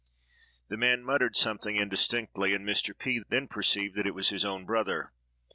The man muttered something indistinctly, and Mr. P—— then perceived that it was his own brother.